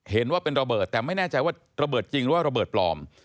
เห็นว่าเป็นระเบิดแต่ไม่แน่ใจว่าระเบิดจริงหรือว่าระเบิดปลอม